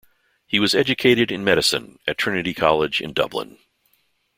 He was educated in medicine at Trinity College in Dublin.